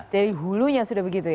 jadi hulunya sudah begitu ya